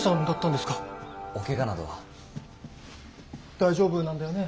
大丈夫なんだよね？